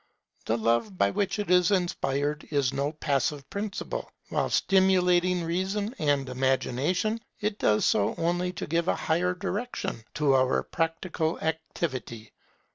The Love by which it is inspired is no passive principle; while stimulating Reason and Imagination, it does so only to give a higher direction to our practical activity.